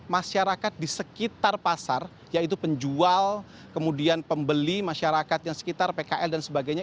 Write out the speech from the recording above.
masyarakat di sekitar pasar yaitu penjual kemudian pembeli masyarakat yang sekitar pkl dan sebagainya